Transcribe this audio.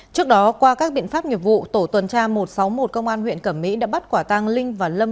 trước đó qua các biện pháp nghiệp vụ tổ tuần tra một trăm sáu mươi một công an huyện cẩm mỹ đã bắt quả tàng linh và lâm